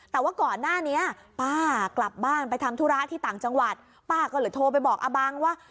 แต่ว่าก่อนหน้านี้ป้ากลับบ้านไปทำธุระที่ต่างจังหวัดป้าก็เลยโทรไปบอกอาบังว่า